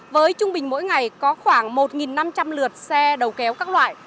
với trung bình mỗi ngày có khoảng một năm trăm linh lượt xe đầu kéo các loại